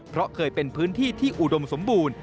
เพราะเคยเป็นพื้นที่ที่อุดมสมบูรณ์